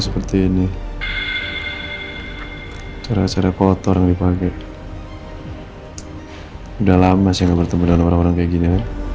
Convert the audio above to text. seperti ini cara cara kotor yang dipakai udah lama sih gak bertemu dengan orang orang kayak gini